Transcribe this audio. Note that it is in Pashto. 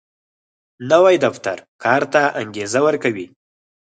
نوی دفتر کار ته انګېزه ورکوي